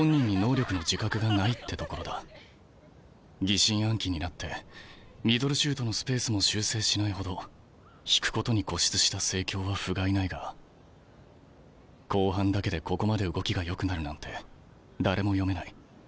疑心暗鬼になってミドルシュートのスペースも修正しないほど引くことに固執した成京はふがいないが後半だけでここまで動きがよくなるなんて誰も読めない。